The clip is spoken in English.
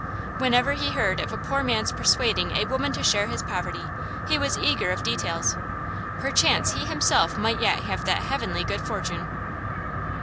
Whenever he heard of a poor man's persuading a woman to share his poverty he was eager of details; perchance he himself might yet have that heavenly good fortune.